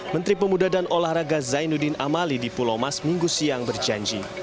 menteri pemuda dan olahraga zainuddin amali di pulau mas minggu siang berjanji